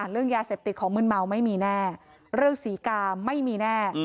เรื่องยาเสพติดของมืนเมาไม่มีแน่เรื่องศรีกาไม่มีแน่